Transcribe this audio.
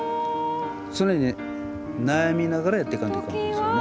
常に悩みながらやっていかんといかんですよね。